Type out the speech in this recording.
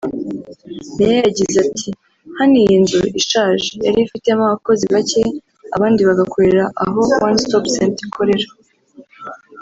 Meya yagize ati “Hano iyi nzu (ishaje) yari ifitemo abakozi bake abandi bagakorera aho One stop center ikorera